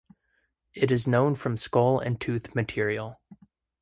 It is known from skull and tooth material.